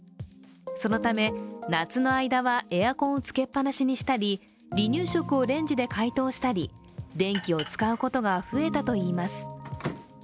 そのため、夏の間はエアコンをつけっぱなしにしたり、離乳食をレンジで解凍したり電気を使うことが増えたといいます。